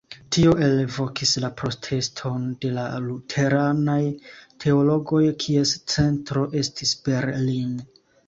Tio elvokis la proteston de la luteranaj teologoj, kies centro estis Berlin.